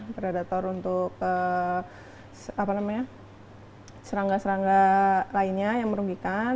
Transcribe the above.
predator untuk serangga serangga lainnya yang merugikan